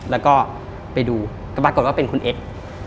แล้วก็ไปดูก็ปรากฏว่าเป็นคุณเอ็กซ์